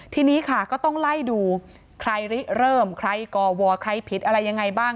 ทีนี้ค่ะก็ต้องไล่ดูใครริเริ่มใครก่อวอใครผิดอะไรยังไงบ้าง